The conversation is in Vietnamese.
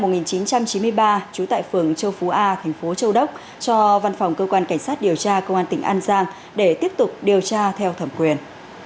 trú tại phường châu phú a thành phố châu đốc cho văn phòng cơ quan cảnh sát điều tra công an tỉnh an giang để tiếp tục điều tra theo thẩm quyền